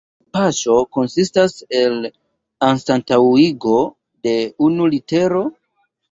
Ĉiu paŝo konsistas el anstataŭigo de unu litero.